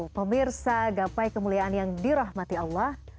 pemirsa gapai kemuliaan yang dirahmati allah